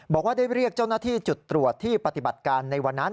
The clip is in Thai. บอกว่าได้เรียกเจ้าหน้าที่จุดตรวจที่ปฏิบัติการในวันนั้น